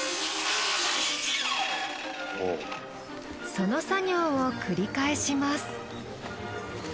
その作業を繰り返します。